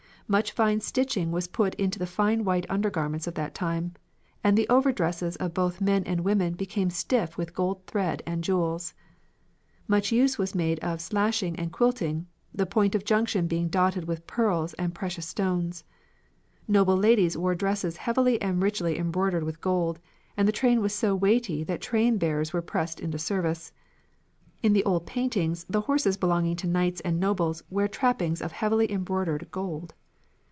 "Much fine stitching was put into the fine white undergarments of that time, and the overdresses of both men and women became stiff with gold thread and jewels. Much use was made of slashing and quilting, the point of junction being dotted with pearls and precious stones. Noble ladies wore dresses heavily and richly embroidered with gold, and the train was so weighty that train bearers were pressed into service. In the old paintings the horses belonging to kings and nobles wear trappings of heavily embroidered gold.